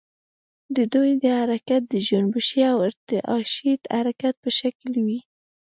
د دوی حرکت د جنبشي او ارتعاشي حرکت په شکل وي.